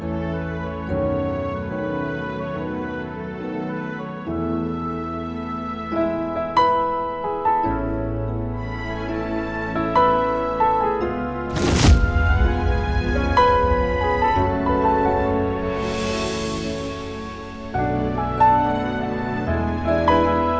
aku ingin semua yang saya lakukan untuk kamu